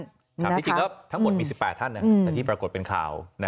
ที่จริงแล้วทั้งหมดมี๑๘ท่านแต่ที่ปรากฏเป็นข่าว